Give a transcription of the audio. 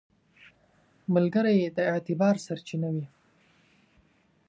ملګری د اعتبار سرچینه وي